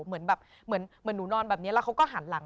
เหมือนหนูนอนแบบเนี้ยแล้วเขาก็หันหลัง